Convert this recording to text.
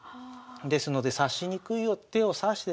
ですので指しにくい手を指してですね